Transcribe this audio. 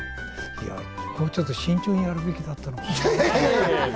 もうちょっと慎重にやるべきだったかも。